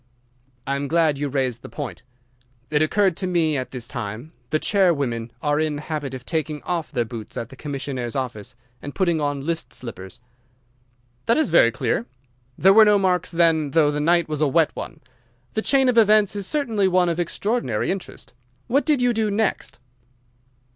"I am glad you raised the point. It occurred to me at the time. The charwomen are in the habit of taking off their boots at the commissionnaire's office, and putting on list slippers." "That is very clear. There were no marks, then, though the night was a wet one? The chain of events is certainly one of extraordinary interest. What did you do next?